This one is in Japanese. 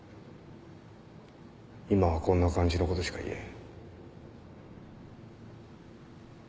今はこんな感じのことしか言えん。